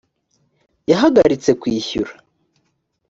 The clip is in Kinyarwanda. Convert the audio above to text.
yahagaritse kwishyura .